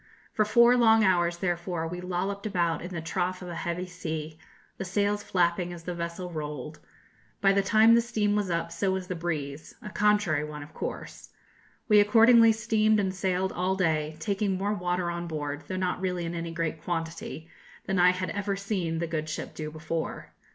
For four long hours, therefore, we lolloped about in the trough of a heavy sea, the sails flapping as the vessel rolled. By the time the steam was up so was the breeze a contrary one, of course. We accordingly steamed and sailed all day, taking more water on board, though not really in any great quantity, than I had ever seen the good ship do before.